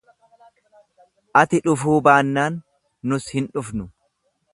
Ati dhufuu baannaan nus hin dhufnu.